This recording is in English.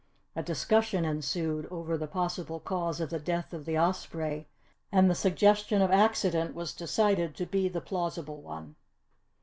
A discussion ensued over the possible cause of the death of the osprey and the suggestion of accident was decided to be the plausible one.